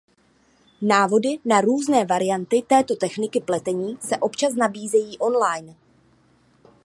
Návody na různé varianty této techniky pletení se občas nabízejí online.